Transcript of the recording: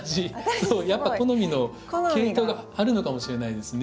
すごい。やっぱ好みの系統があるのかもしれないですね。